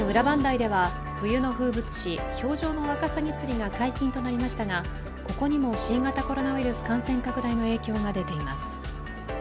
磐梯では冬の風物詩、氷上のワカサギ釣りが解禁となりましたが、ここにも新型コロナウイルス感染拡大の影響が出ています。